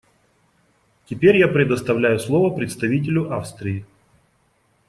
Теперь я предоставляю слово представителю Австрии.